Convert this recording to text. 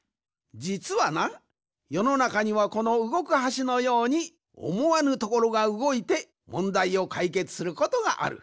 じつはなよのなかにはこのうごく橋のようにおもわぬところがうごいてもんだいをかいけつすることがある。